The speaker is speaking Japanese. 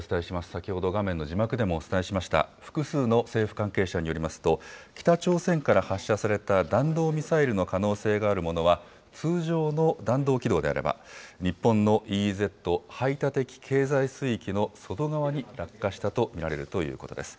先ほど画面の字幕でもお伝えしました、複数の政府関係者によりますと、北朝鮮から発射された弾道ミサイルの可能性があるものは、通常の弾道軌道であれば、日本のＥＥＺ・排他的経済水域の外側に落下したと見られるということです。